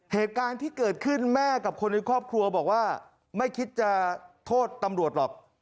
เหตุการณ์ที่เกิดขึ้นแม่กับคนในครอบครัวบอกว่าไม่คิดจะโทษตำรวจหรอก